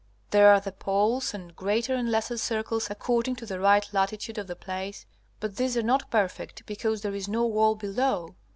There are the poles and greater and lesser circles according to the right latitude of the place, but these are not perfect because there is no wall below.